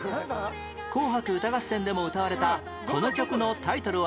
『紅白歌合戦』でも歌われたこの曲のタイトルは？